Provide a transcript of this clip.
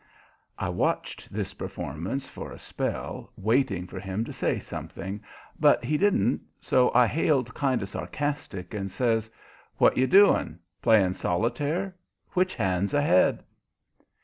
I watched this performance for a spell, waiting for him to say something, but he didn't, so I hailed, kind of sarcastic, and says: "What you doing playing solitaire? Which hand's ahead?"